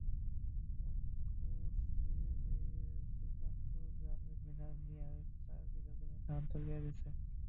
ভূকশিমইলের কোরবানপুর গ্রামের মিনার মিয়ার চার বিঘা জমির ধান তলিয়ে গেছে।